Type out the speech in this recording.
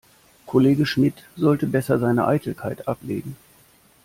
Kollege Schmidt sollte besser seine Eitelkeit ablegen.